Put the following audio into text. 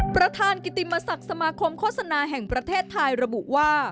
ประธานกิติมศักดิ์สมาคมโฆษณาแห่งประเทศไทยระบุว่า